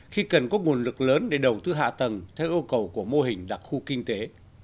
khi cần có nguồn lực lớn để đầu tư hạ tầng theo yêu cầu của mô hình đặc khu kinh tế